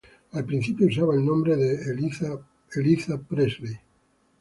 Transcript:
Al principio usaba el nombre de Eliza Presley.